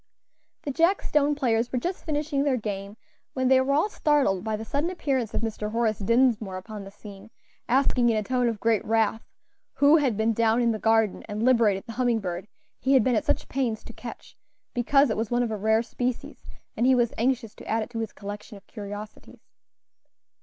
The jack stone players were just finishing their game when they were all startled by the sudden appearance of Mr. Horace Dinsmore upon the scene, asking in a tone of great wrath who had been down in the garden and liberated the humming bird he had been at such pains to catch, because it was one of a rare species, and he was anxious to add it to his collection of curiosities.